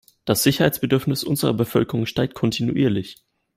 Das Sicherheitsbedürfnis unserer Bevölkerung steigt kontinuierlich.